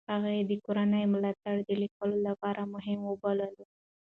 هغې د کورنۍ ملاتړ د لیکلو لپاره مهم وبللو.